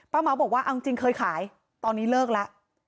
ป้าเมาบอกว่าเอาจริงจริงเคยขายตอนนี้เลิกละ